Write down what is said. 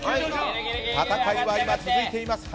戦いはまだ続いています。